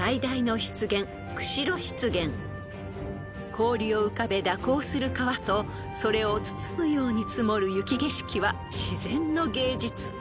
［氷を浮かべ蛇行する川とそれを包むように積もる雪景色は自然の芸術］